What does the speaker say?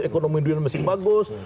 ekonomi duit masih bagus